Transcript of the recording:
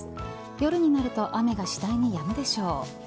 夜になると雨が次第にやむでしょう。